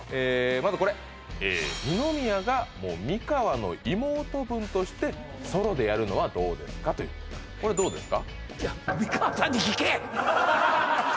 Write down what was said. まずこれ二宮がもう美川の妹分としてソロでやるのはどうですか？というこれどうですか？